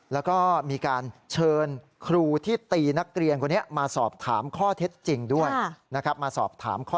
แล้วก็มีการเชิญครูที่ตีนักเรียนคนนี้มาสอบถามข้อเท็จจริงด้วยนะครับมาสอบถามข้อ